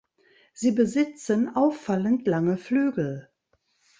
Sie besitzen auffallend lange Flügel.